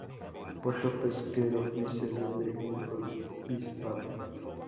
Puerto pesquero y sede de un obispado.